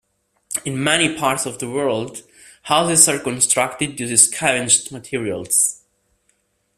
In many parts of the world, houses are constructed using scavenged materials.